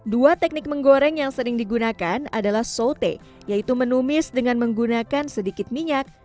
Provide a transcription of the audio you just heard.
dua teknik menggoreng yang sering digunakan adalah sote yaitu menumis dengan menggunakan sedikit minyak